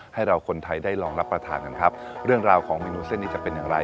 ให้เราคนไทยได้ลองรับประทานกันครับเรื่องราวของเมนูเส้นนี้จะเป็นอย่างไร